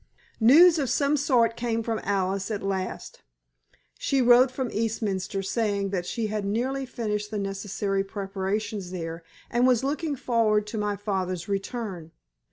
News of some sort came from Alice at last. She wrote from Eastminster saying that she had nearly finished the necessary preparations there, and was looking forward to my father's return.